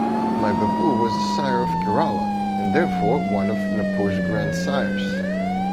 My Babu was the sire of Kerala, and therefore one of Napur's grandsires.